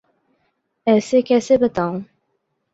ایسے کیسے بتاؤں؟